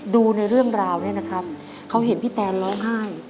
ดูในเรื่องราวเนี่ยนะครับเขาเห็นพี่แตนร้องไห้